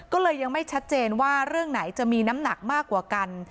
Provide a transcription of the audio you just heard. ก็เลยยังไม่ชัดเจนว่าเรื่องไหนจะมีน้ำหนักมากกว่ากัน